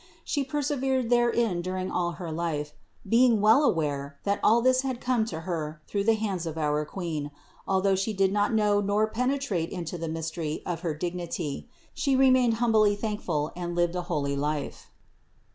She persevered therein during all her life, being well aware, that all this had come to her through the hands of our Queen ; although she did not know nor penetrate into the mystery of her dignity, she remained humbly thankful and lived a holy life.